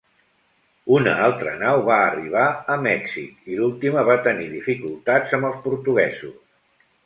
Una altra nau va arribar a Mèxic i l'última va tenir dificultats amb els portuguesos.